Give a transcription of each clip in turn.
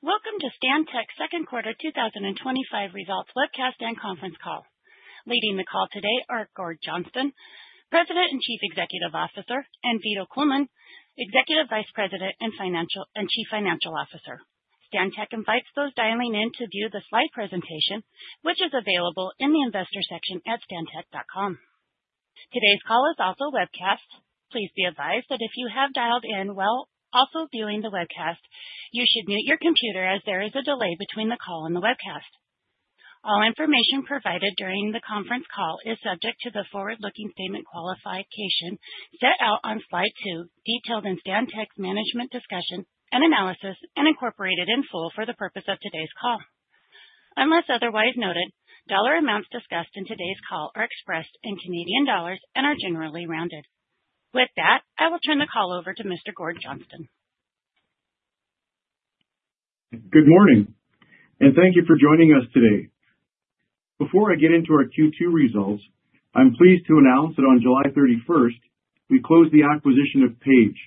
Welcome to Stantec's second quarter 2025 results webcast and conference call. Leading the call today are Gord Johnston, President and Chief Executive Officer, and Vito Culmone, Executive Vice President and Chief Financial Officer. Stantec invites those dialing in to view the slide presentation, which is available in the investor section at stantec.com. Today's call is also webcast. Please be advised that if you have dialed in while also viewing the webcast, you should mute your computer as there is a delay between the call and the webcast. All information provided during the conference call is subject to the forward-looking statement qualification set out on slide two, detailed in Stantec's management discussion and analysis and incorporated in full for the purpose of today's call. Unless otherwise noted, dollar amounts discussed in today's call are expressed in Canadian dollars and are generally rounded. With that, I will turn the call over to Mr. Gord Johnston. Good morning and thank you for joining us today. Before I get into our Q2 results, I'm pleased to announce that on July 31st, we closed the acquisition of Page.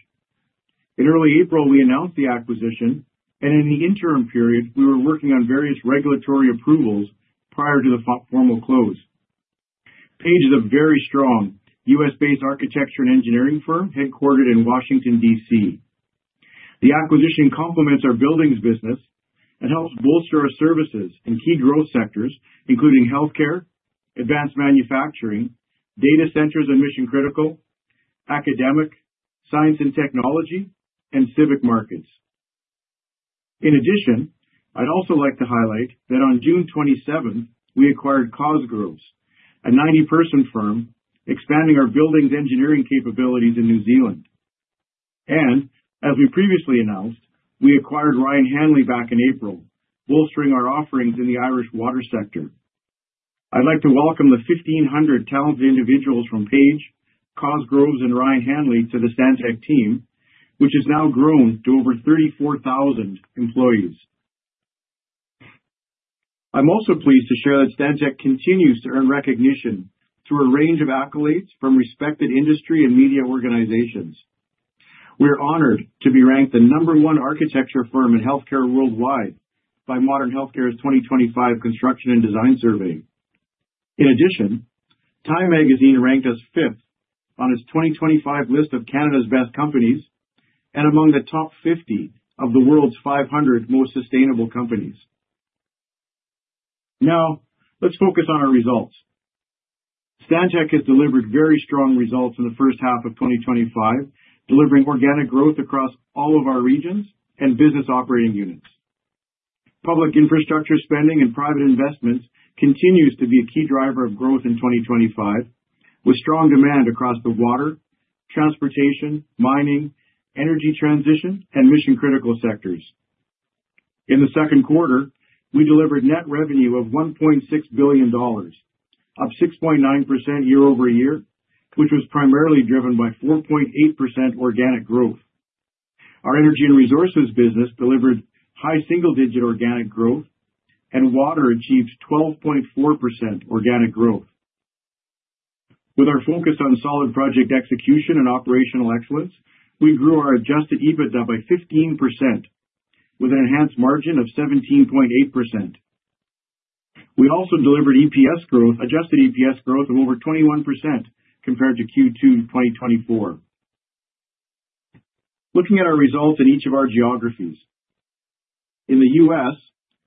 In early April, we announced the acquisition, and in the interim period, we were working on various regulatory approvals prior to the formal close. Page is a very strong U.S.-based architecture and engineering firm headquartered in Washington, D.C. The acquisition complements our buildings business and helps bolster our services in key growth sectors, including healthcare, advanced manufacturing, data centers and mission-critical, academic, science and technology, and civic markets. In addition, I'd also like to highlight that on June 27th, we acquired Cosgrove, a 90-person firm expanding our buildings' engineering capabilities in New Zealand. As we previously announced, we acquired Ryan Hanley back in April, bolstering our offerings in the Irish water sector. I'd like to welcome the 1,500 talented individuals from Page, Cosgrove, and Ryan Hanley to the Stantec team, which has now grown to over 34,000 employees. I'm also pleased to share that Stantec continues to earn recognition through a range of accolades from respected industry and media organizations. We're honored to be ranked the number one architecture firm in healthcare worldwide by Modern Healthcare's 2025 Construction & Design Survey. In addition, Time Magazine ranked us fifth on its 2025 list of Canada's best companies and among the top 50 of the world's 500 most sustainable companies. Now, let's focus on our results. Stantec has delivered very strong results in the first half of 2025, delivering organic growth across all of our regions and business operating units. Public infrastructure spending and private investments continue to be a key driver of growth in 2025, with strong demand across the water, transportation, mining, energy transition, and mission-critical sectors. In the second quarter, we delivered net revenue of $1.6 billion, up 6.9% year-over-year, which was primarily driven by 4.8% organic growth. Our energy and resources business delivered high single-digit organic growth, and water achieved 12.4% organic growth. With our focus on solid project execution and operational excellence, we grew our adjusted EBITDA by 15%, with an enhanced margin of 17.8%. We also delivered adjusted EPS growth of over 21% compared to Q2 2024. Looking at our results in each of our geographies, in the U.S.,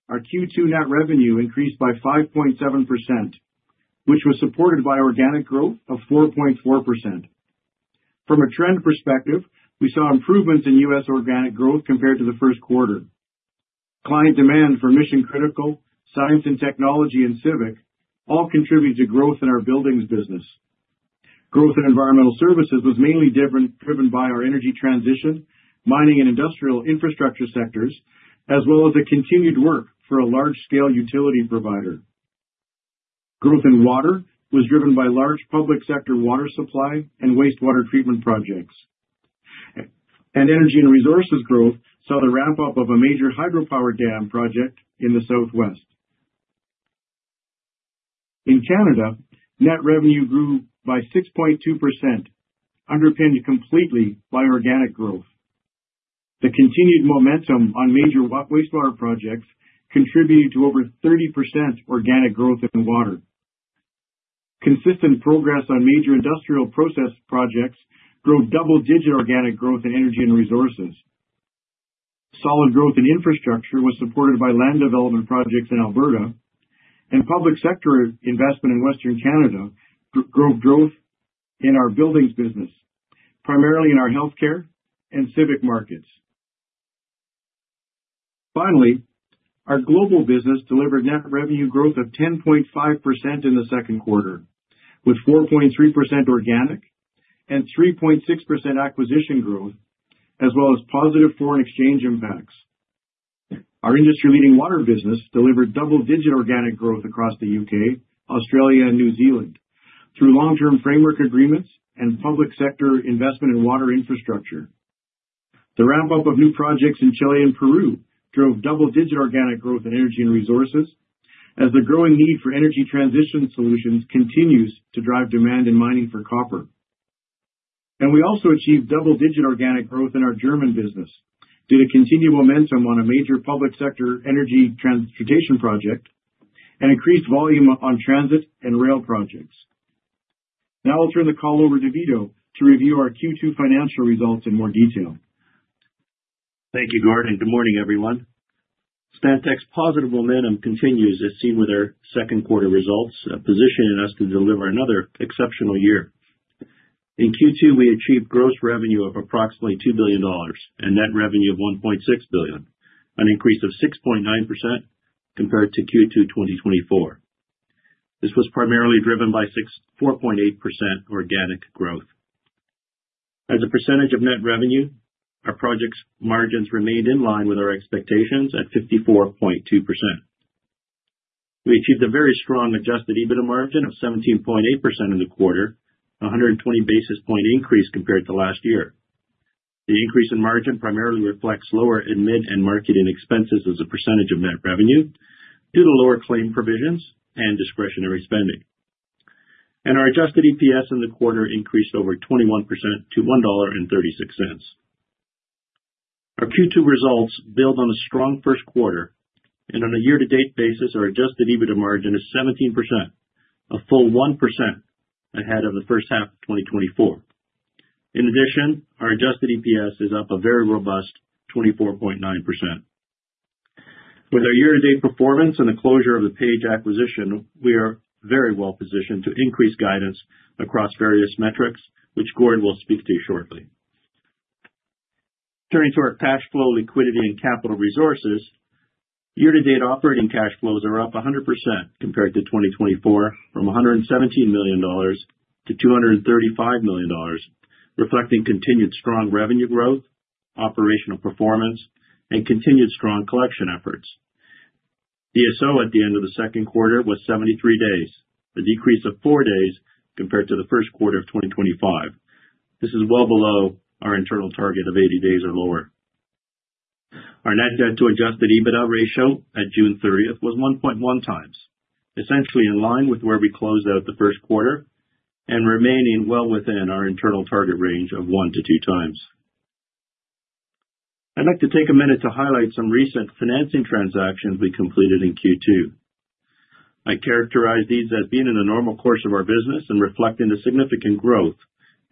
our Q2 net revenue increased by 5.7%, which was supported by organic growth of 4.4%. From a trend perspective, we saw improvements in U.S. organic growth compared to the first quarter. Client demand for mission-critical, science and technology, and civic all contributed to growth in our buildings business. Growth in environmental services was mainly driven by our energy transition, mining, and industrial infrastructure sectors, as well as the continued work for a large-scale utility provider. Growth in water was driven by large public sector water supply and wastewater treatment projects. Energy and resources growth saw the wrap-up of a major hydropower dam project in the Southwest. In Canada, net revenue grew by 6.2%, underpinned completely by organic growth. The continued momentum on major wastewater projects contributed to over 30% organic growth in water. Consistent progress on major industrial process projects drove double-digit organic growth in energy and resources. Solid growth in infrastructure was supported by land development projects in Alberta, and public sector investment in Western Canada drove growth in our buildings business, primarily in our health care and civic markets. Finally, our global business delivered net revenue growth of 10.5% in the second quarter, with 4.3% organic and 3.6% acquisition growth, as well as positive foreign exchange impacts. Our industry-leading water business delivered double-digit organic growth across the U.K., Australia, and New Zealand through long-term framework agreements and public sector investment in water infrastructure. The wrap-up of new projects in Chile and Peru drove double-digit organic growth in energy and resources, as the growing need for energy transition solutions continues to drive demand in mining for copper. We also achieved double-digit organic growth in our German business due to continued momentum on a major public sector energy transportation project and increased volume on transit and rail projects. Now I'll turn the call over to Vito to review our Q2 financial results in more detail. Thank you, Gord, and good morning, everyone. Stantec's positive momentum continues, as seen with our second quarter results, positioning us to deliver another exceptional year. In Q2, we achieved gross revenue of approximately $2 billion and net revenue of $1.6 billion, an increase of 6.9% compared to Q2 2024. This was primarily driven by 4.8% organic growth. As a percentage of net revenue, our project's margins remained in line with our expectations at 54.2%. We achieved a very strong adjusted EBITDA margin of 17.8% in the quarter, a 120 basis point increase compared to last year. The increase in margin primarily reflects lower admin and marketing expenses as a percentage of net revenue due to lower claim provisions and discretionary spending. Our adjusted EPS in the quarter increased over 21% to $1.36. Our Q2 results build on a strong first quarter, and on a year-to-date basis, our adjusted EBITDA margin is 17%, a full 1% ahead of the first half of 2024. In addition, our adjusted EPS is up a very robust 24.9%. With our year-to-date performance and the closure of the Page acquisition, we are very well positioned to increase guidance across various metrics, which Gord will speak to shortly. Turning to our cash flow, liquidity, and capital resources, year-to-date operating cash flows are up 100% compared to 2024, from $117 million-$235 million, reflecting continued strong revenue growth, operational performance, and continued strong collection efforts. The DSO at the end of the second quarter was 73 days, a decrease of four days compared to the first quarter of 2025. This is well below our internal target of 80 days or lower. Our net debt-to-adjusted EBITDA ratio at June 30th was 1.1x, essentially in line with where we closed out the first quarter and remaining well within our internal target range of 1x-2x. I'd like to take a minute to highlight some recent financing transactions we completed in Q2. I characterize these as being in the normal course of our business and reflecting the significant growth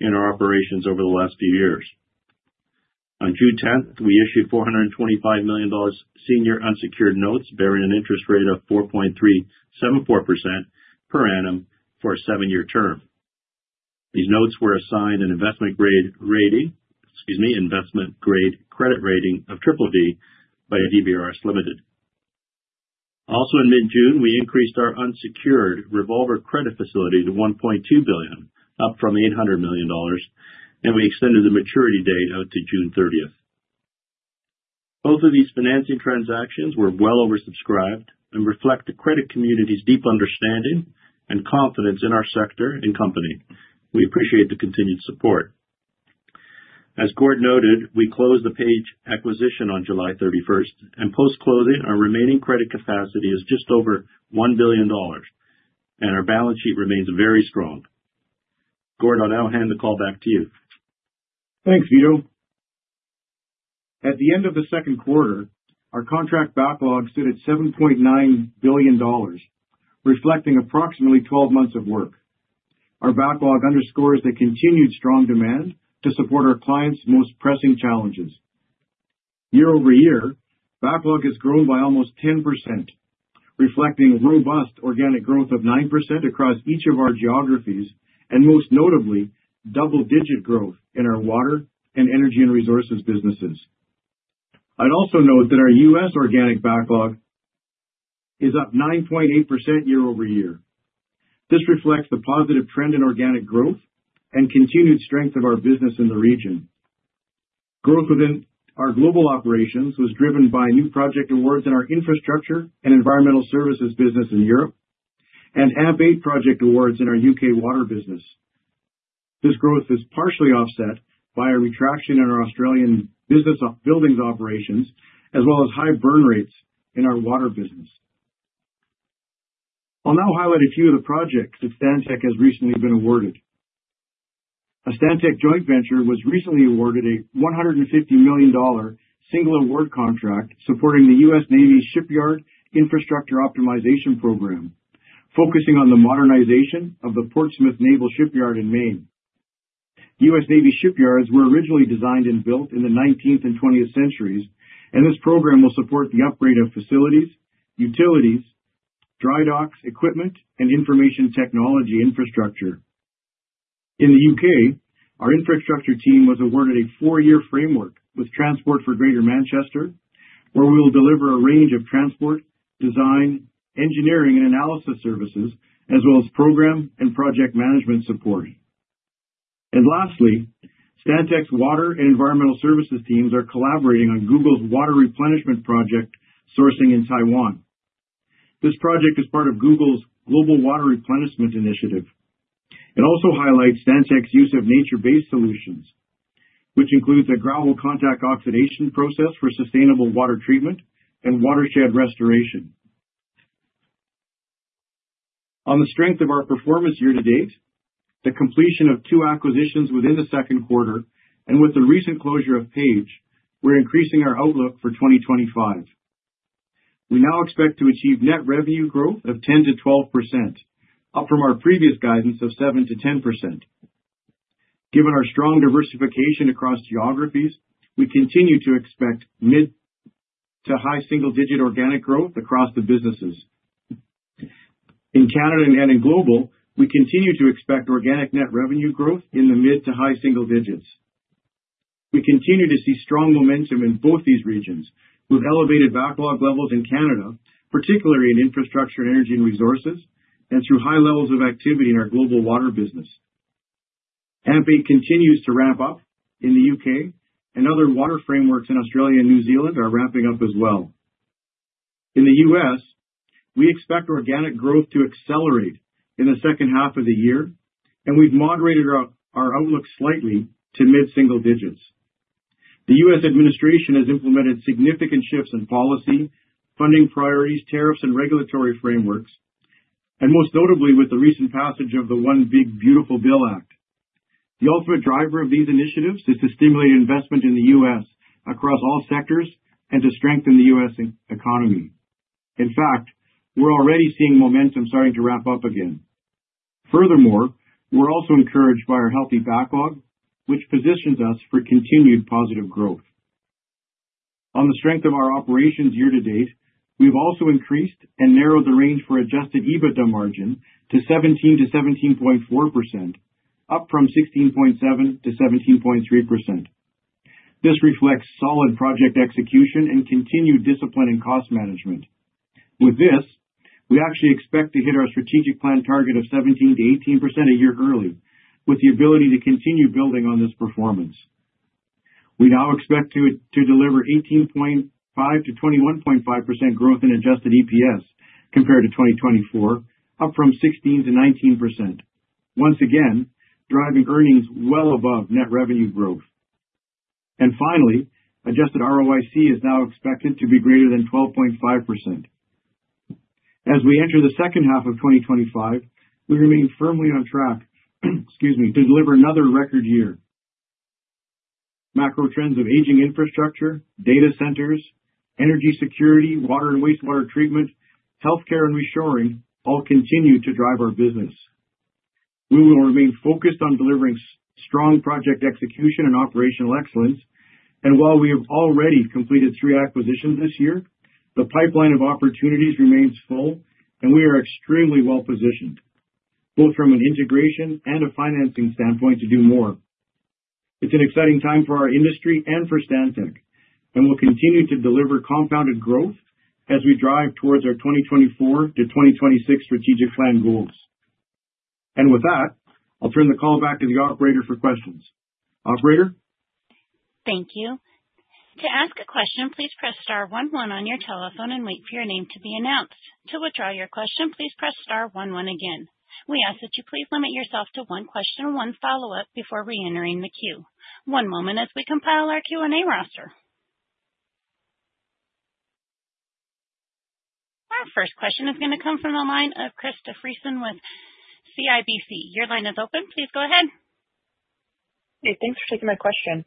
in our operations over the last few years. On June 10th, we issued $425 million senior unsecured notes bearing an interest rate of 4.374% per annum for a seven-year term. These notes were assigned an investment-grade credit rating of DDD by DBRS Limited. Also, in mid-June, we increased our unsecured revolver credit facility to $1.2 billion, up from $800 million, and we extended the maturity date out to June 30th. Both of these financing transactions were well oversubscribed and reflect the credit community's deep understanding and confidence in our sector and company. We appreciate the continued support. As Gord noted, we closed the Page acquisition on July 31st, and post-closing, our remaining credit capacity is just over $1 billion, and our balance sheet remains very strong. Gord, I'll now hand the call back to you. Thanks, Vito. At the end of the second quarter, our contract backlog stood at $7.9 billion, reflecting approximately 12 months of work. Our backlog underscores the continued strong demand to support our clients' most pressing challenges. Year-over-year, backlog has grown by almost 10%, reflecting robust organic growth of 9% across each of our geographies, and most notably, double-digit growth in our water and energy and resources businesses. I'd also note that our U.S. organic backlog is up 9.8% year-over-year. This reflects the positive trend in organic growth and continued strength of our business in the region. Growth within our global operations was driven by new project awards in our infrastructure and environmental services business in Europe and AMP8 project awards in our U.K. water business. This growth is partially offset by a retraction in our Australian business of buildings operations, as well as high burn rates in our water business. I'll now highlight a few of the projects that Stantec has recently been awarded. A Stantec joint venture was recently awarded a $150 million single award contract supporting the U.S. Navy Shipyard Infrastructure Optimization Program, focusing on the modernization of the Portsmouth Naval Shipyard in Maine. U.S. Navy shipyards were originally designed and built in the 19th and 20th centuries, and this program will support the upgrade of facilities, utilities, dry docks, equipment, and information technology infrastructure. In the U.K., our infrastructure team was awarded a four-year framework with Transport for Greater Manchester, where we will deliver a range of transport, design, engineering, and analysis services, as well as program and project management support. Lastly, Stantec's water and environmental services teams are collaborating on Google's water replenishment project sourcing in Taiwan. This project is part of Google's Global Water Replenishment Initiative. It also highlights Stantec's use of nature-based solutions, which include the gravel contact oxidation process for sustainable water treatment and watershed restoration. On the strength of our performance year to date, the completion of two acquisitions within the second quarter, and with the recent closure of Page, we're increasing our outlook for 2025. We now expect to achieve net revenue growth of 10%-12%, up from our previous guidance of 7%-10%. Given our strong diversification across geographies, we continue to expect mid to high single-digit organic growth across the businesses. In Canada and global, we continue to expect organic net revenue growth in the mid to high single digits. We continue to see strong momentum in both these regions, with elevated backlog levels in Canada, particularly in infrastructure, energy, and resources, and through high levels of activity in our global water business. AVE8 continues to ramp up in the U.K., and other water frameworks in Australia and New Zealand are ramping up as well. In the U.S., we expect organic growth to accelerate in the second half of the year, and we've moderated our outlook slightly to mid-single digits. The U.S. administration has implemented significant shifts in policy, funding priorities, tariffs, and regulatory frameworks, most notably with the recent passage of the One Big Beautiful Bill Act. The ultimate driver of these initiatives is to stimulate investment in the U.S. across all sectors and to strengthen the U.S. economy. In fact, we're already seeing momentum starting to ramp up again. Furthermore, we're also encouraged by our healthy backlog, which positions us for continued positive growth. On the strength of our operations year to date, we've also increased and narrowed the range for adjusted EBITDA margin to 17%-17.4%, up from 16.7%-17.3%. This reflects solid project execution and continued discipline in cost management. With this, we actually expect to hit our strategic plan target of 17%-18% a year early, with the ability to continue building on this performance. We now expect to deliver 18.5%-21.5% growth in adjusted EPS compared to 2024, up from 16%-19%, once again driving earnings well above net revenue growth. Finally, adjusted ROIC is now expected to be greater than 12.5%. As we enter the second half of 2025, we remain firmly on track to deliver another record year. Macro trends of aging infrastructure, data centers, energy security, water and wastewater treatment, healthcare, and reshoring all continue to drive our business. We will remain focused on delivering strong project execution and operational excellence, and while we have already completed three acquisitions this year, the pipeline of opportunities remains full, and we are extremely well positioned, both from an integration and a financing standpoint, to do more. It's an exciting time for our industry and for Stantec, and we'll continue to deliver compounded growth as we drive towards our 20240-2026 strategic plan goals. With that, I'll turn the call back to the operator for questions. Operator? Thank you. To ask a question, please press Star one, one on your telephone and wait for your name to be announced. To withdraw your question, please press Star one, one again. We ask that you please limit yourself to one question and one follow-up before reentering the queue. One moment as we compile our Q&A roster. Our first question is going to come from the line of Krista Friesen with CIBC. Your line is open. Please go ahead. Thanks for taking my question.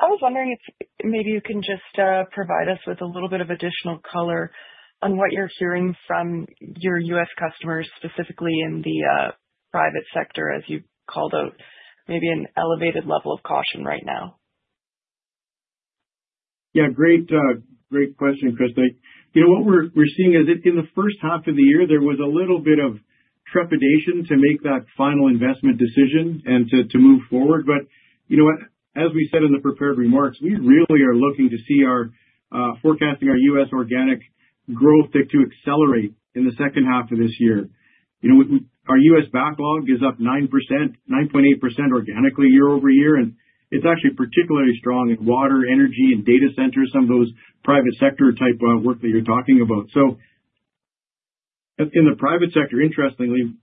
I was wondering if maybe you can just provide us with a little bit of additional color on what you're hearing from your U.S. customers, specifically in the private sector, as you called out, maybe an elevated level of caution right now. Yeah, great question, Krista. You know what we're seeing is that in the first half of the year, there was a little bit of trepidation to make that final investment decision and to move forward. As we said in the prepared remarks, we really are looking to see our forecasting our U.S. organic growth to accelerate in the second half of this year. Our U.S. backlog is up 9.8% organically year-over-year, and it's actually particularly strong in water, energy, and data centers, some of those private sector type work that you're talking about. In the private sector, interestingly,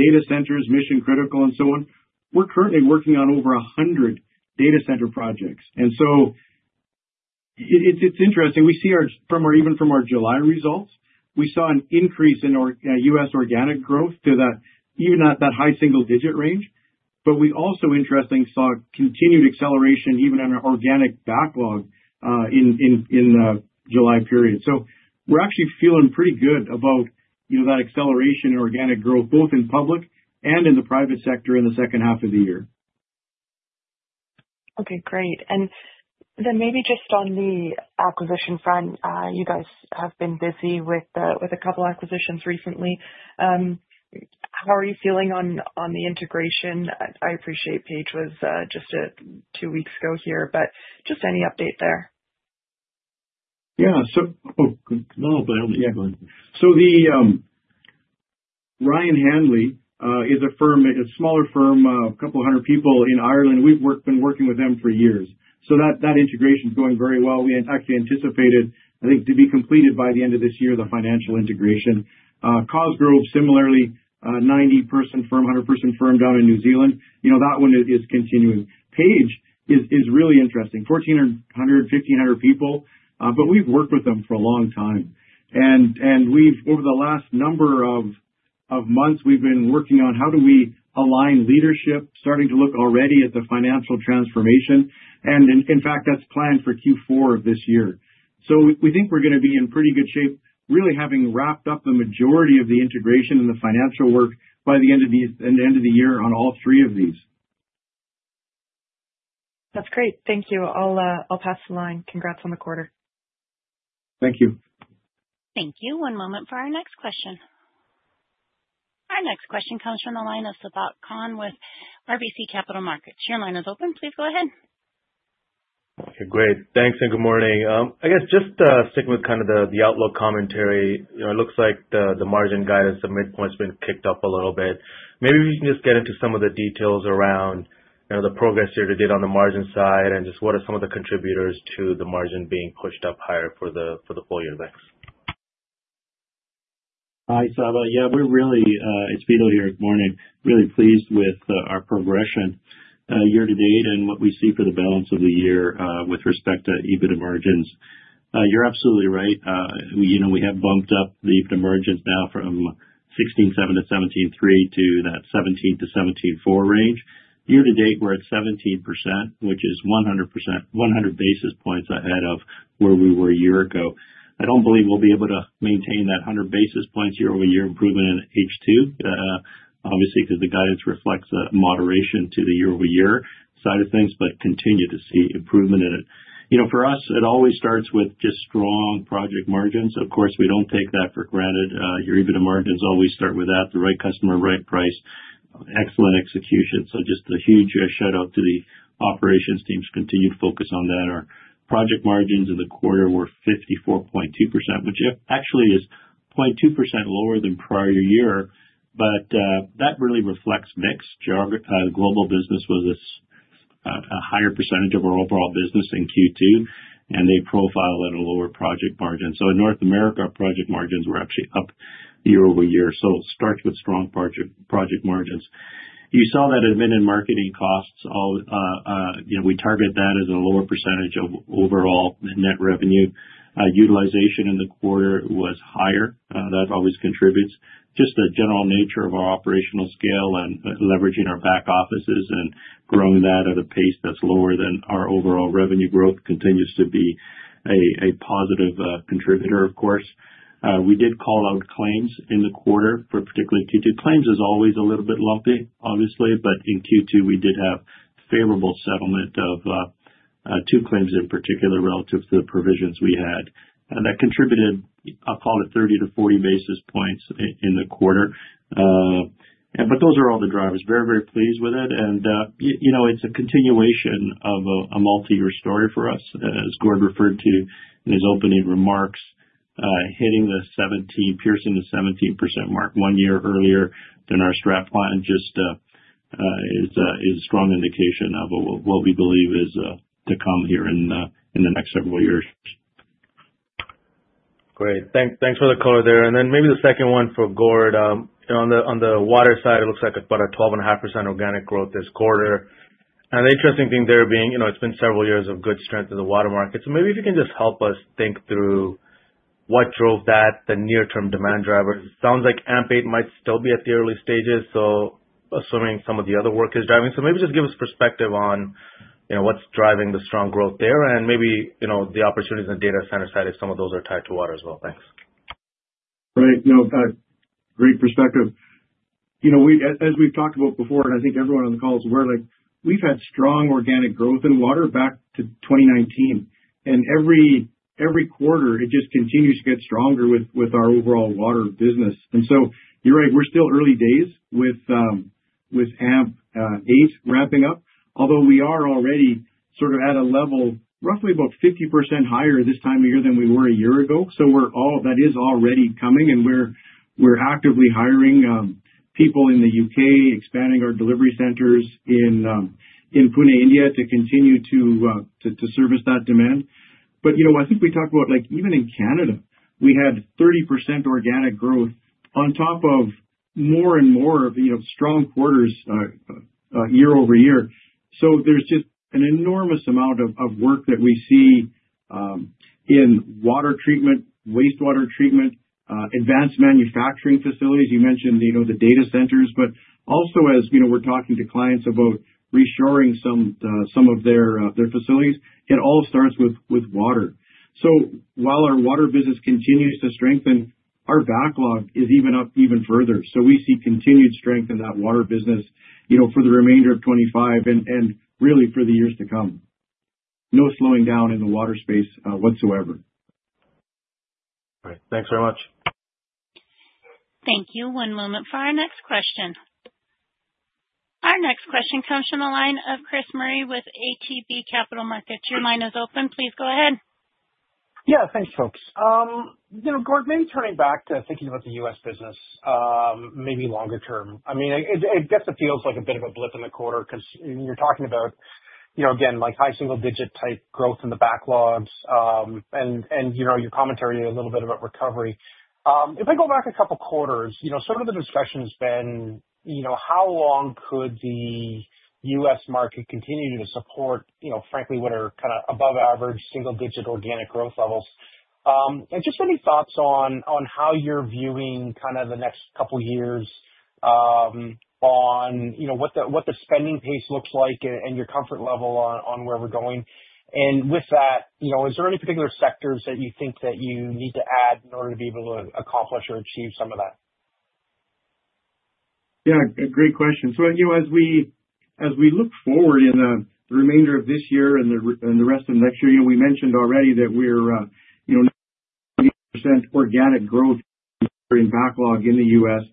data centers, mission-critical, and so on, we're currently working on over 100 data center projects. It's interesting. We see our, from our even from our July results, we saw an increase in our U.S. organic growth to even at that high single-digit range. We also, interestingly, saw continued acceleration even in our organic backlog in the July period. We're actually feeling pretty good about that acceleration in organic growth, both in public and in the private sector in the second half of the year. Okay, great. Maybe just on the acquisition front, you guys have been busy with a couple of acquisitions recently. How are you feeling on the integration? I appreciate Page was just two weeks ago here, but just any update there? Yeah, go ahead. The Ryan Hanley is a firm, a smaller firm, a couple hundred people in Ireland. We've been working with them for years. That integration is going very well. We actually anticipated, I think, to be completed by the end of this year, the financial integration. Cosgrove, similarly, 90% firm, 100% firm down in New Zealand. You know that one is continuing. Page is really interesting. 1,400, 1,500 people, but we've worked with them for a long time. Over the last number of months, we've been working on how do we align leadership, starting to look already at the financial transformation. In fact, that's planned for Q4 of this year. We think we're going to be in pretty good shape, really having wrapped up the majority of the integration and the financial work by the end of the year on all three of these. That's great. Thank you. I'll pass the line. Congrats on the quarter. Thank you. Thank you. One moment for our next question. Our next question comes from the line of Sabahat Khan with RBC Capital Markets. Your line is open. Please go ahead. Okay, great. Thanks and good morning. I guess just sticking with kind of the outlook commentary, you know it looks like the margin guidance at midpoint's been kicked up a little bit. Maybe we can just get into some of the details around, you know, the progress you did on the margin side and just what are some of the contributors to the margin being pushed up higher for the full year? Thanks. Hi, Saba. Yeah, we're really, it's Vito here this morning, really pleased with our progression year to date and what we see for the balance of the year with respect to EBITDA margins. You're absolutely right. We have bumped up the EBITDA margins now from 16.7%-17.3% to that 17.4%-17.4% range. Year to date, we're at 17%, which is 100 basis points ahead of where we were a year ago. I don't believe we'll be able to maintain that 100 basis points year-over-year improvement in H2, obviously, because the guidance reflects a moderation to the year-over-year side of things, but continue to see improvement in it. For us, it always starts with just strong project margins. Of course, we don't take that for granted. Your EBITDA margins always start with that, the right customer rent price, excellent execution. Just a huge shout out to the operations team to continue to focus on that. Our project margins in the quarter were 54.2%, which actually is 0.2% lower than prior year. That really reflects mixed geography. The global business was a higher percentage of our overall business in Q2, and they profiled at a lower project margin. In North America, our project margins were actually up year over year. It starts with strong project margins. You saw that invented marketing costs. We target that as a lower percentage of overall net revenue. Utilization in the quarter was higher. That always contributes. The general nature of our operational scale and leveraging our back offices and growing that at a pace that's lower than our overall revenue growth continues to be a positive contributor, of course. We did call out claims in the quarter for particular Q2. Claims is always a little bit lumpy, obviously, but in Q2, we did have a favorable settlement of two claims in particular relative to the provisions we had. That contributed, I'll call it 30-40 basis points in the quarter. Those are all the drivers. Very, very pleased with it. It's a continuation of a multi-year story for us, as Gord referred to in his opening remarks, hitting the 17%, piercing the 17% mark one year earlier than our strap line, just is a strong indication of what we believe is to come here in the next several years. Great. Thanks for the color there. Maybe the second one for Gord. On the water side, it looks like about a 12.5% organic growth this quarter. The interesting thing there being, you know, it's been several years of good strength in the water market. Maybe if you can just help us think through what drove that, the near-term demand drivers. It sounds like AVE8 might still be at the early stages, so assuming some of the other work is driving. Maybe just give us perspective on, you know, what's driving the strong growth there and maybe, you know, the opportunities on the data center side if some of those are tied to water as well. Thanks. Right. No, great perspective. As we've talked about before, and I think everyone on the call is aware of it, we've had strong organic growth in water back to 2019. Every quarter, it just continues to get stronger with our overall water business. You're right, we're still early days with AVE8 wrapping up, although we are already sort of at a level roughly about 50% higher this time of year than we were a year ago. That is already coming, and we're actively hiring people in the U.K., expanding our delivery centers in Pune, India, to continue to service that demand. I think we talked about, like, even in Canada, we had 30% organic growth on top of more and more of strong quarters year-over-year. There's just an enormous amount of work that we see in water treatment, wastewater treatment, advanced manufacturing facilities. You mentioned the data centers, but also as we're talking to clients about reshoring some of their facilities, it all starts with water. While our water business continues to strengthen, our backlog is even up even further. We see continued strength in that water business for the remainder of 2025 and really for the years to come. No slowing down in the water space whatsoever. All right. Thanks very much. Thank you. One moment for our next question. Our next question comes from the line of Chris Murray with ATB Capital Markets. Your line is open. Please go ahead. Yeah, thanks, folks. Gord, maybe turning back to thinking about the U.S. business, maybe longer term. It definitely feels like a bit of a blip in the quarter because you're talking about, again, like high single-digit type growth in the backlogs and your commentary a little bit about recovery. If I go back a couple of quarters, some of the discussion has been how long could the U.S. market continue to support, frankly, what are kind of above-average single-digit organic growth levels? Any thoughts on how you're viewing kind of the next couple of years on what the spending pace looks like and your comfort level on where we're going? With that, is there any particular sectors that you think that you need to add in order to be able to accomplish or achieve some of that? Yeah. Great question. As we look forward in the remainder of this year and the rest of next year, we mentioned already that we need organic growth in backlog in the U.S.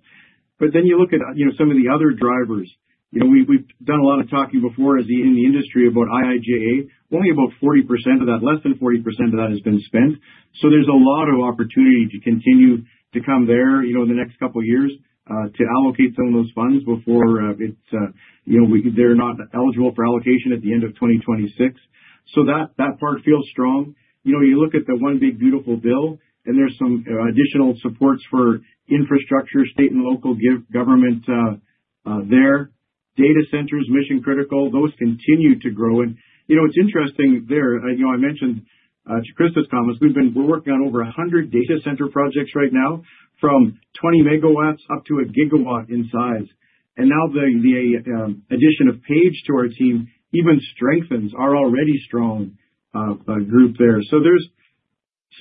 Then you look at some of the other drivers. We've done a lot of talking before in the industry about IIJA. Only about 40% of that, less than 40% of that has been spent. There's a lot of opportunity to continue to come there in the next couple of years to allocate some of those funds before they're not eligible for allocation at the end of 2026. That part feels strong. You look at the One Big Beautiful Bill, and there's some additional supports for infrastructure, state and local government there. Data centers, mission-critical, those continue to grow. It's interesting there, I mentioned to Krista's comments, we've been working on over 100 data center projects right now, from 20 MW up to a GW in size. The addition of Page to our team even strengthens our already strong group there. There's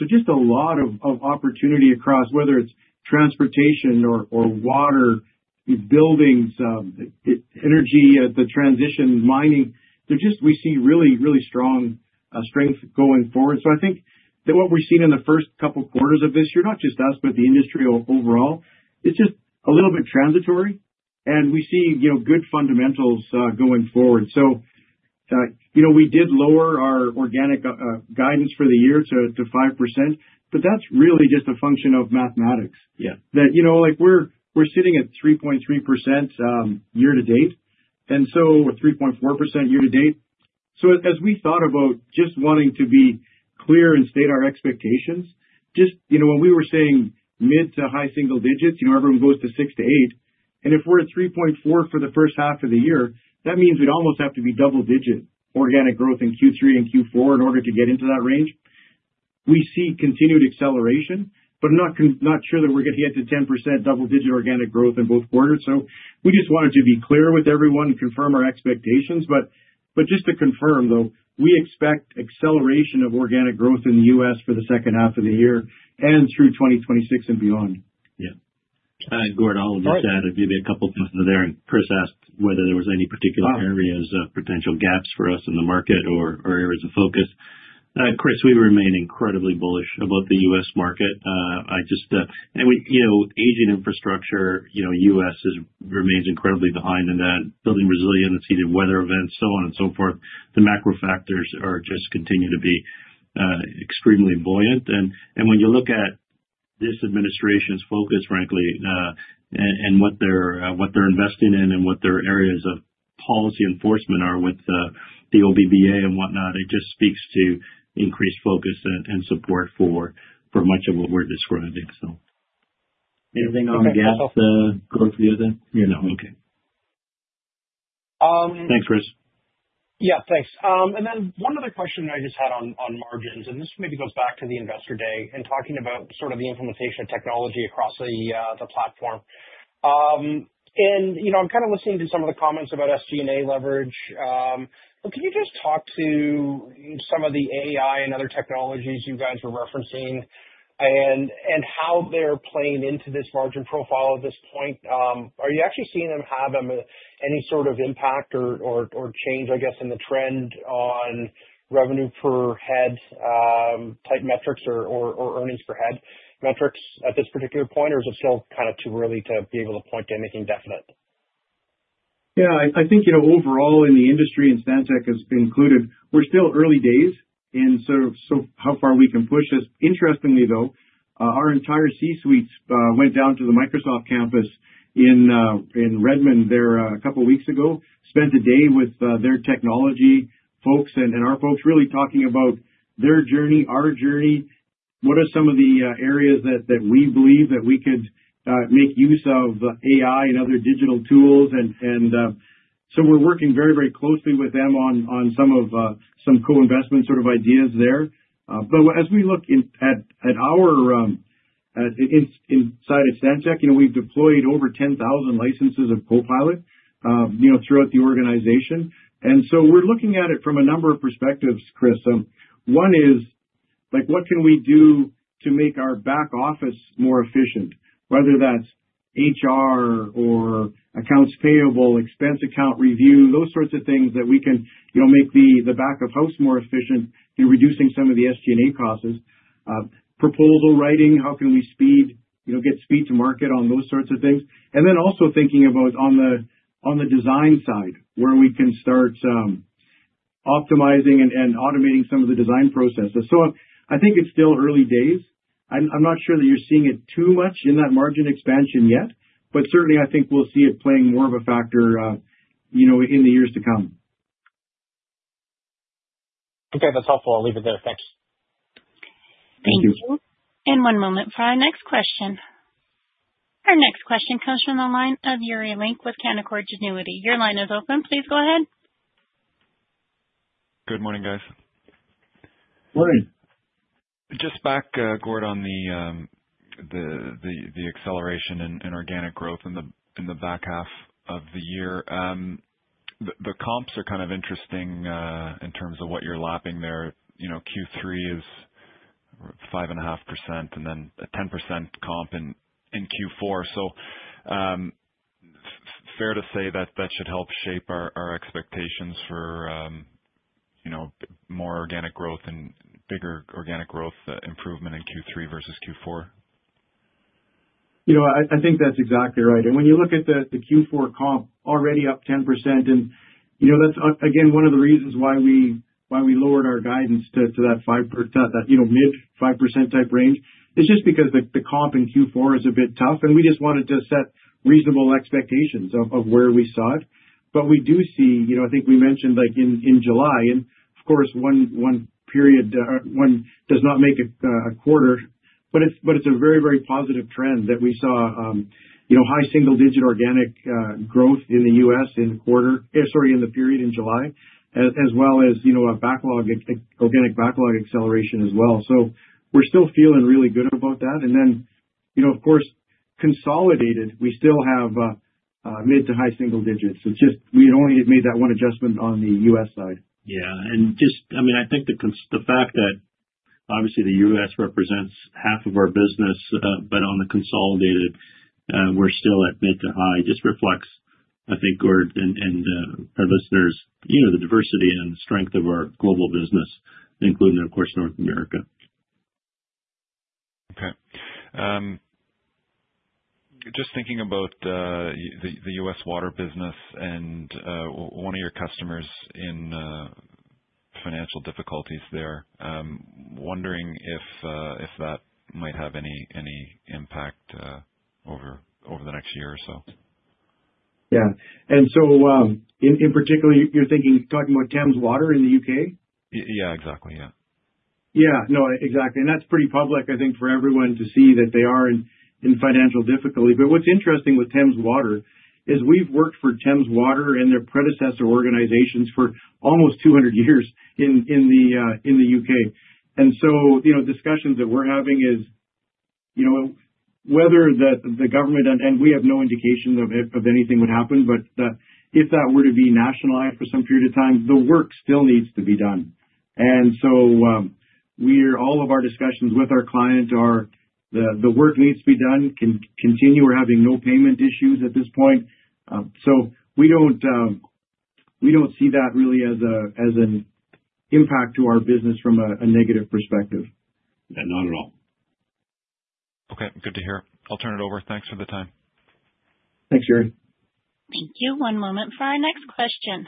just a lot of opportunity across, whether it's transportation or water, buildings, energy, the transition, mining. We see really, really strong strength going forward. I think that what we've seen in the first couple of quarters of this year, not just us, but the industry overall, it's just a little bit transitory. We see good fundamentals going forward. We did lower our organic guidance for the year to 5%, but that's really just a function of mathematics. We're sitting at 3.3% year-to-date, 3.4% year-to-date. As we thought about just wanting to be clear and state our expectations, when we were saying mid to high single digits, everyone goes to 6%-8%. If we're at 3.4% for the first half of the year, that means we'd almost have to be double-digit organic growth in Q3 and Q4 in order to get into that range. We see continued acceleration, but I'm not sure that we're going to get to 10% double-digit organic growth in both quarters. We just wanted to be clear with everyone and confirm our expectations. Just to confirm, though, we expect acceleration of organic growth in the U.S. for the second half of the year and through 2026 and beyond. Yeah. Gord, I'll add that. I'll give you a couple of things there. Chris asked whether there were any particular areas of potential gaps for us in the market or areas of focus. Chris, we remain incredibly bullish about the U.S. market. I just, and we, you know, aging infrastructure, you know, U.S. remains incredibly behind in that, building resilience, heated weather events, so on and so forth. The macro factors just continue to be extremely buoyant. When you look at this administration's focus, frankly, and what they're investing in and what their areas of policy enforcement are with the OBBA and whatnot, it just speaks to increased focus and support for much of what we're describing. Anything on the gaps, Gord, for the other thing? No, okay. Thanks, Chris. Yeah, thanks. One other question I just had on margins, and this maybe goes back to the investor day and talking about the implementation of technology across the platform. I'm kind of listening to some of the comments about SG&A leverage. Can you just talk to some of the AI and other technologies you guys were referencing and how they're playing into this margin profile at this point? Are you actually seeing them have any sort of impact or change, I guess, in the trend on revenue per head type metrics or earnings per head metrics at this particular point, or is it still kind of too early to be able to point to anything definite? Yeah. I think, overall in the industry and Stantec included, we're still early days. How far we can push is interestingly, though, our entire C-suite went down to the Microsoft campus in Redmond a couple of weeks ago, spent a day with their technology folks and our folks really talking about their journey, our journey, what are some of the areas that we believe that we could make use of AI and other digital tools. We're working very, very closely with them on some co-investment sort of ideas there. As we look at our side of Stantec, we've deployed over 10,000 licenses of Microsoft Copilot throughout the organization. We're looking at it from a number of perspectives, Chris. One is, what can we do to make our back office more efficient, whether that's HR or accounts payable, expense account review, those sorts of things that we can make the back of house more efficient in reducing some of the SG&A costs. Proposal writing, how can we get speed to market on those sorts of things? Also thinking about on the design side where we can start optimizing and automating some of the design processes. I think it's still early days. I'm not sure that you're seeing it too much in that margin expansion yet, but certainly I think we'll see it playing more of a factor in the years to come. Okay, that's helpful. I'll leave it there. Thanks. Thank you. One moment for our next question. Our next question comes from the line of Yuri Lynk with Canaccord Genuity. Your line is open. Please go ahead. Good morning, guys. Good morning. Just back, Gord, on the acceleration and organic growth in the back half of the year. The comps are kind of interesting in terms of what you're lapping there. Q3 is 5.5% and then a 10% comp in Q4. Fair to say that that should help shape our expectations for more organic growth and bigger organic growth improvement in Q3 versus Q4. I think that's exactly right. When you look at the Q4 comp, already up 10%. That's again one of the reasons why we lowered our guidance to that 5%, that mid-5% type range. It's just because the comp in Q4 is a bit tough. We just wanted to set reasonable expectations of where we saw it. We do see, I think we mentioned like in July, and of course, one period does not make a quarter, but it's a very, very positive trend that we saw, high single-digit organic growth in the U.S. in the quarter, sorry, in the period in July, as well as a backlog, organic backlog acceleration as well. We're still feeling really good about that. Of course, consolidated, we still have mid to high single digits. We only have made that one adjustment on the U.S. side. Yeah, I think the fact that obviously the U.S. represents half of our business, but on the consolidated, we're still at mid to high. It just reflects, I think, Gord, and our listeners, the diversity and the strength of our global business, including, of course, North America. Okay. Just thinking about the U.S. water business and one of your customers in financial difficulties there, wondering if that might have any impact over the next year or so. Yeah, in particular, you're thinking, talking about Thames Water in the U.K? Yeah, exactly. Yeah. Yeah, no, exactly. That's pretty public, I think, for everyone to see that they are in financial difficulty. What's interesting with Thames Water is we've worked for Thames Water and their predecessor organizations for almost 200 years in the U.K. Discussions that we're having is whether the government, and we have no indication of anything would happen, but if that were to be nationalized for some period of time, the work still needs to be done. All of our discussions with our client are the work needs to be done, can continue. We're having no payment issues at this point. We don't see that really as an impact to our business from a negative perspective. Yeah, not at all. Okay, good to hear. I'll turn it over. Thanks for the time. Thanks, Yuri. Thank you. One moment for our next question.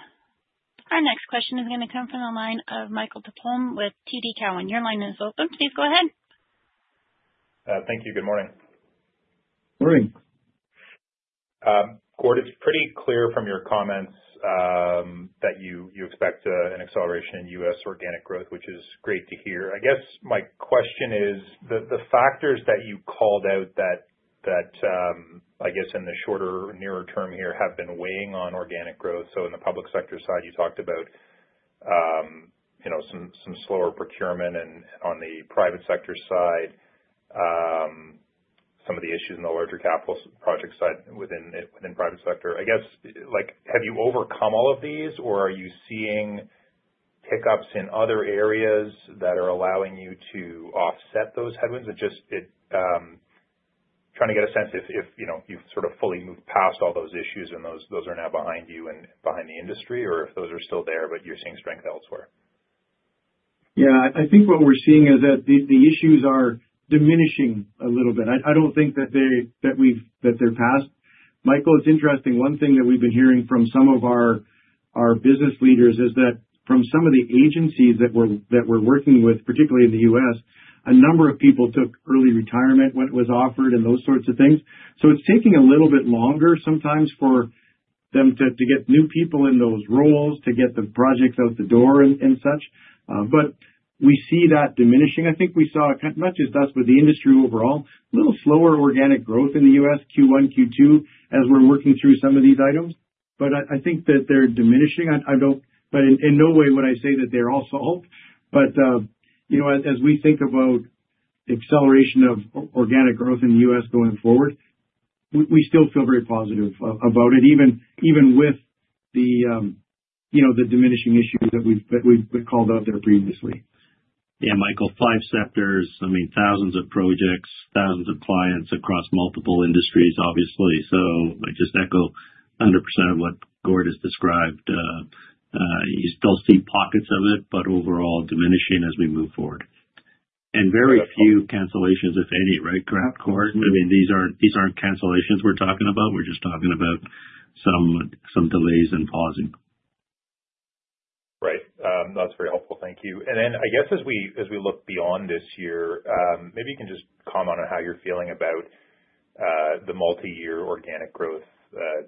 Our next question is going to come from the line of Michael Tupholme with TD Cowen. Your line is open. Please go ahead. Thank you. Good morning. Morning. Gord, it's pretty clear from your comments that you expect an acceleration in U.S. organic growth, which is great to hear. I guess my question is, the factors that you called out that in the shorter or nearer term here have been weighing on organic growth. In the public sector side, you talked about some slower procurement, and on the private sector side, some of the issues in the larger capital project side within the private sector. Have you overcome all of these, or are you seeing hiccups in other areas that are allowing you to offset those headwinds? It's just trying to get a sense if you've sort of fully moved past all those issues and those are now behind you and behind the industry, or if those are still there, but you're seeing strength elsewhere. Yeah, I think what we're seeing is that the issues are diminishing a little bit. I don't think that they're passed. Michael, it's interesting. One thing that we've been hearing from some of our business leaders is that from some of the agencies that we're working with, particularly in the U.S., a number of people took early retirement when it was offered and those sorts of things. It's taking a little bit longer sometimes for them to get new people in those roles, to get the projects out the door and such. We see that diminishing. I think we saw, not just us, but the industry overall, a little slower organic growth in the U.S., Q1, Q2, as we're working through some of these items. I think that they're diminishing. In no way would I say that they're off the hook. As we think about the acceleration of organic growth in the U.S. going forward, we still feel very positive about it, even with the diminishing issues that we called out there previously. Yeah, Michael, five sectors, I mean, thousands of projects, thousands of clients across multiple industries, obviously. I just echo 100% of what Gord has described. You still see pockets of it, but overall diminishing as we move forward. Very few cancellations, if any, right, Gord? I mean, these aren't cancellations we're talking about. We're just talking about some delays and pausing. Right. That's very helpful. Thank you. As we look beyond this year, maybe you can just comment on how you're feeling about the multi-year organic growth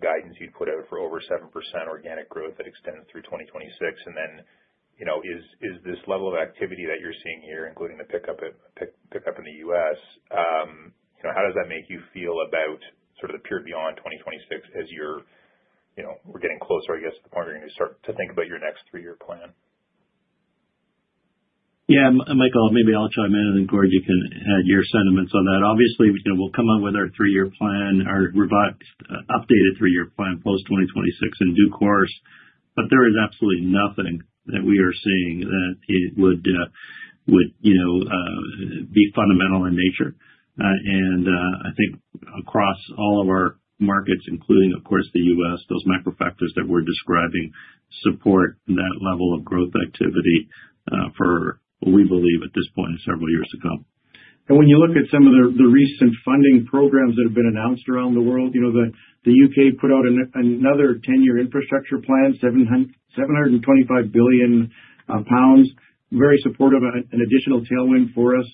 guidance you'd put out for over 7% organic growth that extends through 2026. Is this level of activity that you're seeing here, including the pickup in the U.S., how does that make you feel about the period beyond 2026 as we're getting closer, I guess, to the point where you're going to start to think about your next three-year plan? Yeah, Michael, maybe I'll chime in and Gord, you can add your sentiments on that. Obviously, you know, we'll come up with our three-year plan, our revised, updated three-year plan post-2026 in due course. There is absolutely nothing that we are seeing that would be fundamental in nature. I think across all of our markets, including, of course, the U.S., those micro-factors that we're describing support that level of growth activity for what we believe at this point in several years to come. When you look at some of the recent funding programs that have been announced around the world, the U.K. put out another 10-year infrastructure plan, £725 billion, very supportive, an additional tailwind for us.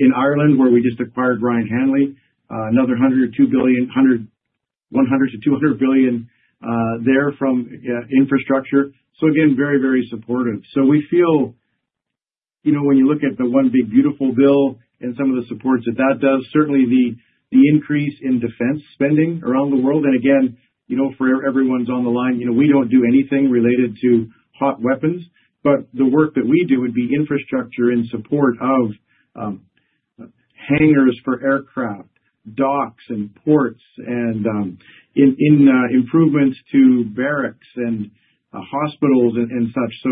In Ireland, where we just acquired Ryan Hanley, another €102 billion, €100 billion-€200 billion there from infrastructure. Very, very supportive. We feel, when you look at the One Big Beautiful Bill and some of the supports that that does, certainly the increase in defense spending around the world. For everyone's on the line, we don't do anything related to hot weapons, but the work that we do would be infrastructure in support of hangars for aircraft, docks, and ports, and in improvements to barracks and hospitals and such.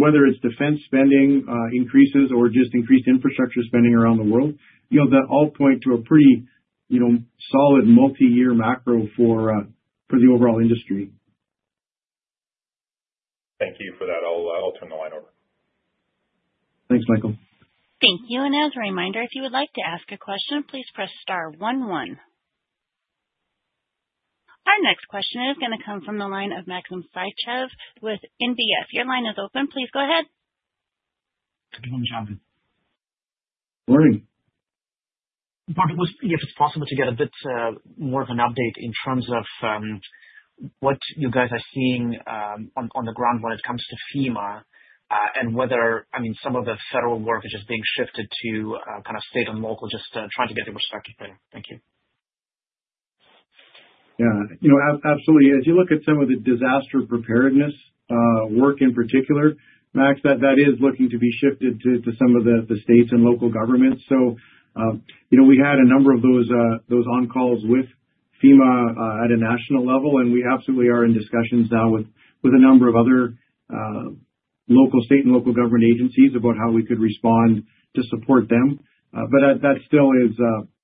Whether it's defense spending increases or just increased infrastructure spending around the world, that all point to a pretty solid multi-year macro for the overall industry. Thank you for that. I'll turn the line over. Thanks, Michael. Thank you. As a reminder, if you would like to ask a question, please press Star, one, one. Our next question is going to come from the line of Maxim Sytchev with NBS. Your line is open. Please go ahead. Morning, Jonathan. Good morning. If it's possible to get a bit more of an update in terms of what you guys are seeing on the ground when it comes to FEMA and whether some of the federal work is just being shifted to kind of state and local, just trying to get the perspective better. Thank you. Yeah, you know, absolutely. As you look at some of the disaster preparedness work in particular, Max, that is looking to be shifted to some of the states and local governments. We had a number of those on-calls with FEMA at a national level, and we absolutely are in discussions now with a number of other state and local government agencies about how we could respond to support them. That still is,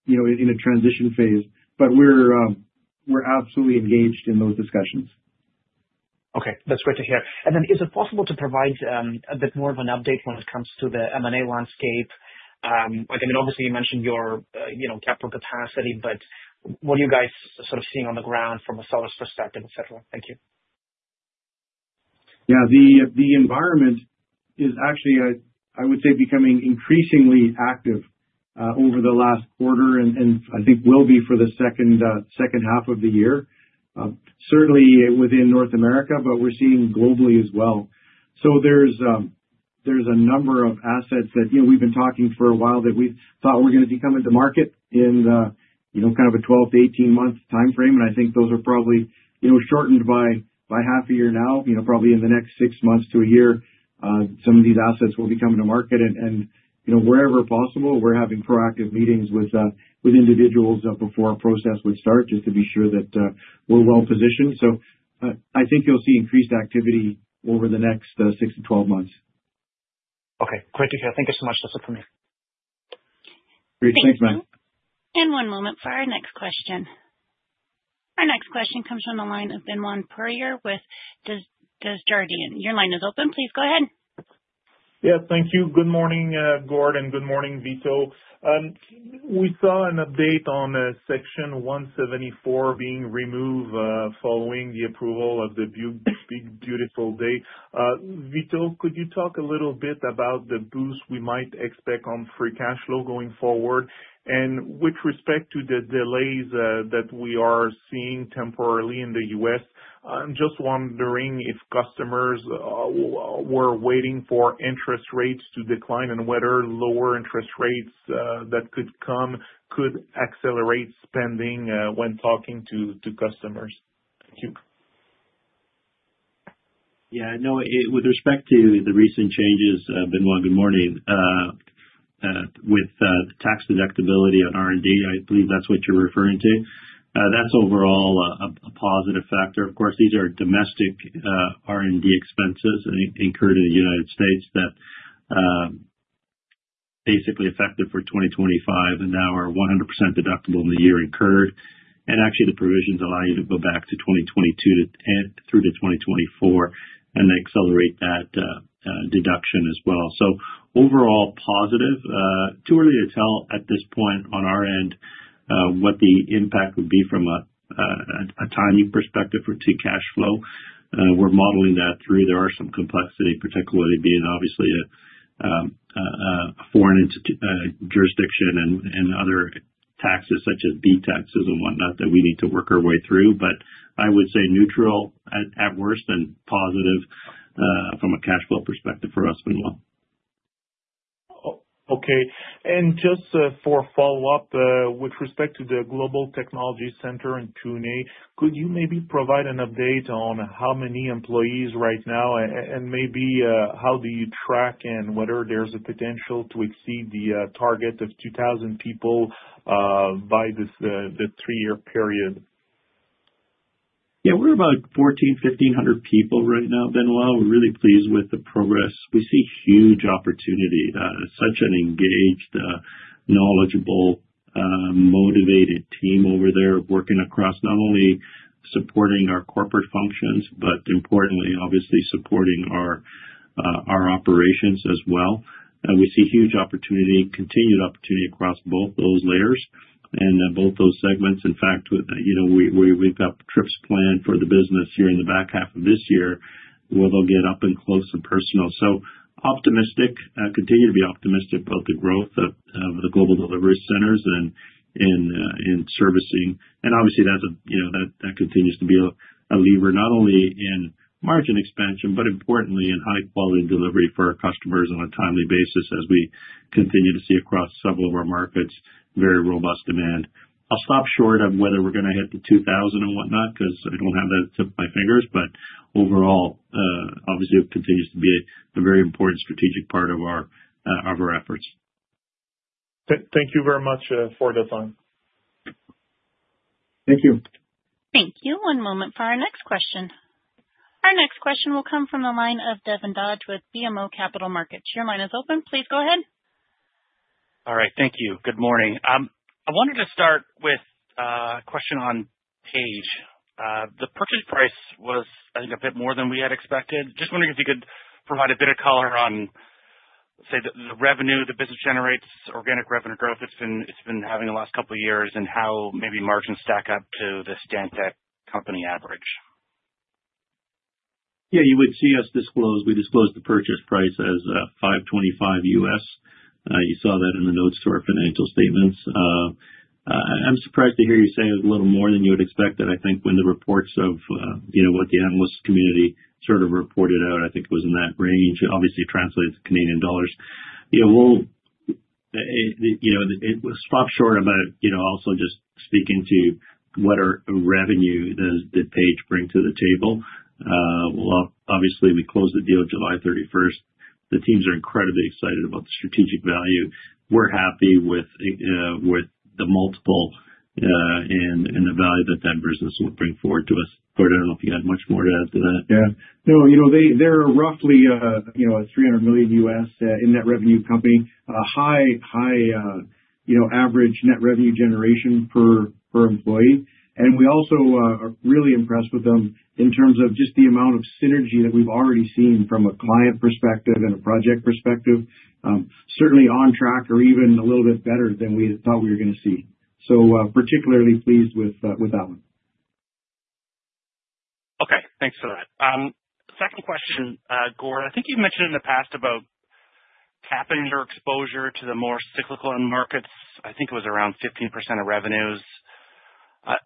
you know, in a transition phase. We're absolutely engaged in those discussions. Okay, that's great to hear. Is it possible to provide a bit more of an update when it comes to the M&A environment? I mean, obviously you mentioned your capital capacity, but what are you guys sort of seeing on the ground from a service perspective, etc.? Thank you. Yeah, the environment is actually, I would say, becoming increasingly active over the last quarter, and I think will be for the second half of the year, certainly within North America, but we're seeing globally as well. There's a number of assets that we've been talking for a while that we thought were going to be coming to market in kind of a 12-18 month timeframe. I think those are probably shortened by half a year now. Probably in the next six months to a year, some of these assets will be coming to market. Wherever possible, we're having proactive meetings with individuals before our process would start just to be sure that we're well positioned. I think you'll see increased activity over the next 6-12 months. Okay, great to hear. Thank you so much. That's it for me. Great, thanks, Maxim. One moment for our next question. Our next question comes from the line of Benoit Poirier with Desjardins. Your line is open. Please go ahead. Yeah, thank you. Good morning, Gord, and good morning, Vito. We saw an update on Section 174 being removed following the approval of the Big Beautiful Bill. Vito, could you talk a little bit about the boost we might expect on free cash flow going forward? With respect to the delays that we are seeing temporarily in the U.S., I'm just wondering if customers were waiting for interest rates to decline and whether lower interest rates that could come could accelerate spending when talking to customers. Thank you. Yeah, no, with respect to the recent changes, Benoit, good morning. With tax deductibility on R&D, I believe that's what you're referring to. That's overall a positive factor. Of course, these are domestic R&D expenses incurred in the United States that basically affect it for 2025 and now are 100% deductible in the year incurred. Actually, the provisions allow you to go back to 2022 through to 2024 and accelerate that deduction as well. Overall positive. Too early to tell at this point on our end what the impact would be from a timing perspective for cash flow. We're modeling that through. There are some complexities, particularly being obviously a foreign jurisdiction and other taxes such as B taxes and whatnot that we need to work our way through. I would say neutral at worst and positive from a cash flow perspective for us. Okay. Just for follow-up, with respect to the Global Technology Center in Pune, could you maybe provide an update on how many employees right now and maybe how do you track and whether there's a potential to exceed the target of 2,000 people by the three-year period? Yeah, we're about 1,400, 1,500 people right now, Benoit. We're really pleased with the progress. We see huge opportunity. Such an engaged, knowledgeable, motivated team over there working across not only supporting our corporate functions, but importantly, obviously supporting our operations as well. We see huge opportunity, continued opportunity across both those layers and both those segments. In fact, we've got trips planned for the business here in the back half of this year where they'll get up and close to personnel. Optimistic, continue to be optimistic about the growth of the global delivery centers and in servicing. Obviously, that continues to be a lever not only in margin expansion, but importantly in high-quality delivery for our customers on a timely basis as we continue to see across several of our markets very robust demand. I'll stop short on whether we're going to hit the 2,000 and whatnot because I don't have that tip of my fingers. Overall, obviously, it continues to be a very important strategic part of our efforts. Thank you very much for the deadline. Thank you. Thank you. One moment for our next question. Our next question will come from the line of Devin Dodge with BMO Capital Markets. Your line is open. Please go ahead. All right. Thank you. Good morning. I wanted to start with a question on Page. The purchase price was, I think, a bit more than we had expected. Just wondering if you could provide a bit of color on, say, the revenue the business generates, organic revenue growth it's been having the last couple of years, and how maybe margins stack up to the Stantec company average. Yeah, you would see us disclose, we disclosed the purchase price as $525 million. You saw that in the notes to our financial statements. I'm surprised to hear you say it was a little more than you would expect. I think when the reports of, you know, what the analyst community sort of reported out, I think it was in that range. Obviously, translated to Canadian dollars. You know, we'll stop short about, you know, also just speaking to what our revenue does the Page bring to the table. Obviously, we closed the deal July 31st. The teams are incredibly excited about the strategic value. We're happy with the multiple and the value that that business will bring forward to us. Gord, I don't know if you had much more to add to that. Yeah, no, you know, they're roughly a $300 million net revenue company, a high, high, you know, average net revenue generation per employee. We also are really impressed with them in terms of just the amount of synergy that we've already seen from a client perspective and a project perspective. Certainly on track or even a little bit better than we thought we were going to see. Particularly pleased with that one. Okay, thanks for that. Second question, Gord, I think you mentioned in the past about capping your exposure to the more cyclical markets. I think it was around 15% of revenues.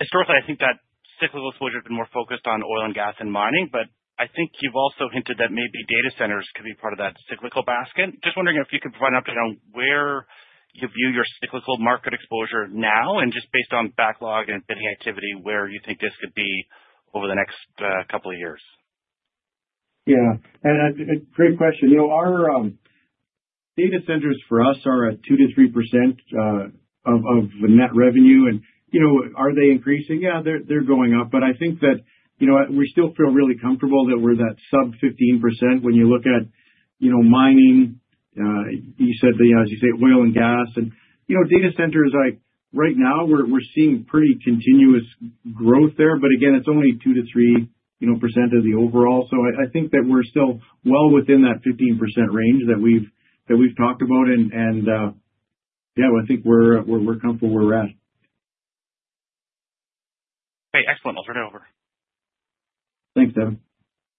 Historically, I think that cyclical exposure has been more focused on oil and gas and mining, but I think you've also hinted that maybe data centers could be part of that cyclical basket. Just wondering if you could provide an update on where you view your cyclical market exposure now, and just based on backlog and bidding activity, where you think this could be over the next couple of years. Yeah, great question. You know, our data centers for us are at 2%-3% of net revenue. You know, are they increasing? Yeah, they're going up. I think that, you know, we still feel really comfortable that we're that sub 15% when you look at, you know, mining. You said that, you know, as you say, oil and gas. You know, data centers, like right now, we're seeing pretty continuous growth there. Again, it's only 2-3% of the overall. I think that we're still well within that 15% range that we've talked about. Yeah, I think we're comfortable where we're at. Okay, excellent. I'll turn it over. Thanks, Devin.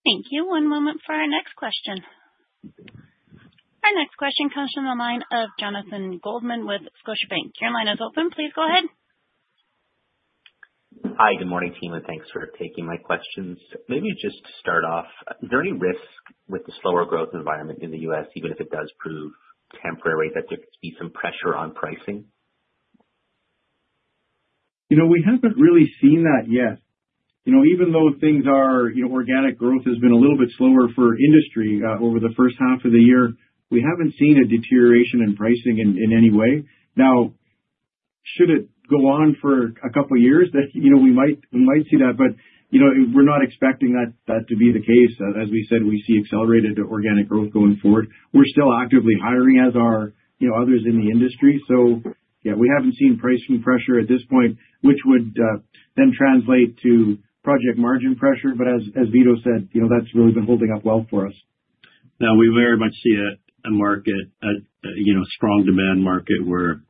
Thank you. One moment for our next question. Our next question comes from the line of Jonathan Goldman with Scotiabank. Your line is open. Please go ahead. Hi, good morning, team, and thanks for taking my questions. Maybe just to start off, is there any risk with the slower growth environment in the U.S., even if it does prove temporary, that there could be some pressure on pricing? We haven't really seen that yet. Even though organic growth has been a little bit slower for the industry over the first half of the year, we haven't seen a deterioration in pricing in any way. Now, should it go on for a couple of years, we might see that, but we're not expecting that to be the case. As we said, we see accelerated organic growth going forward. We're still actively hiring, as are others in the industry. We haven't seen pricing pressure at this point, which would then translate to project margin pressure. As Vito said, that's really been holding up well for us. Now, we very much see a strong demand market where,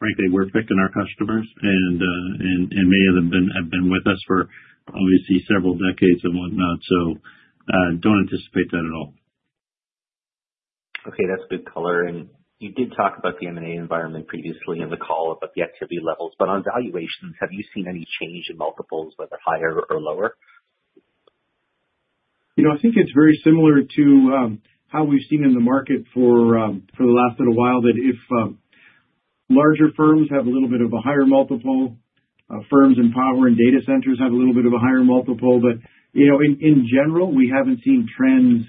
frankly, we're picking our customers and many of them have been with us for obviously several decades and whatnot. I don't anticipate that at all. Okay, that's good color. You did talk about the M&A environment previously in the call about the activity levels. On valuations, have you seen any change in multiples, whether higher or lower? I think it's very similar to how we've seen in the market for the last little while, that if larger firms have a little bit of a higher multiple, firms in power and data centers have a little bit of a higher multiple. In general, we haven't seen trends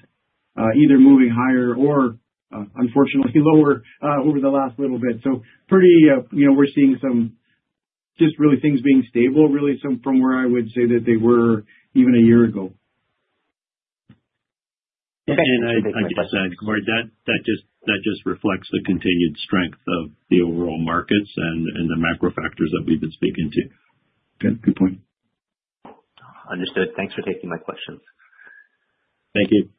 either moving higher or unfortunately lower over the last little bit. We're seeing things being stable, really from where I would say that they were even a year ago. Yeah, I agree 100%. Gord, that just reflects the continued strength of the overall markets and the macro factors that we've been speaking to. Good point. Understood. Thanks for taking my questions. Thank you.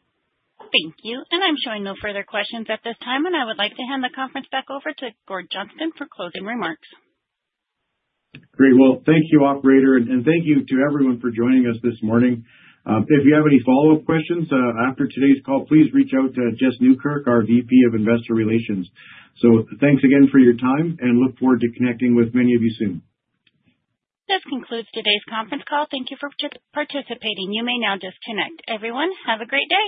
Thank you. I'm showing no further questions at this time. I would like to hand the conference back over to Gord Johnston for closing remarks. Great. Thank you, operator, and thank you to everyone for joining us this morning. If you have any follow-up questions after today's call, please reach out to Jess Nieukerk, our VP of Investor Relations. Thank you again for your time and look forward to connecting with many of you soon. This concludes today's conference call. Thank you for participating. You may now disconnect. Everyone, have a great day.